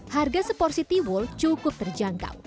harga seporsi tiwul cukup terjangkau